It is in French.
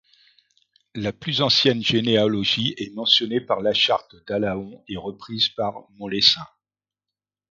La plus ancienne généalogie est mentionnée par la charte d'Alaon et reprise par Monlesun.